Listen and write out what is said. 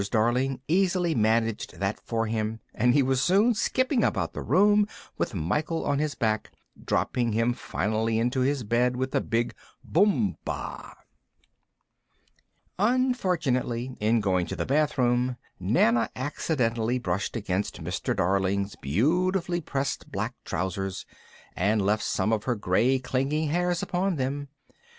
Darling easily managed that for him, and he was soon skipping about the room with Michael on his back, dropping him finally into his bed with a big "bump ah!" [Illustration: WITH MICHAEL SITTING ON HER BACK.] Unfortunately, in going to the bathroom, Nana accidentally brushed against Mr. Darling's beautifully pressed black trousers, and left some of her grey clinging hairs upon them.